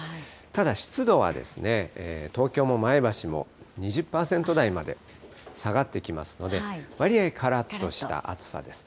ただ、湿度は東京も前橋も２０％台まで下がってきますので、割合からっとした暑さです。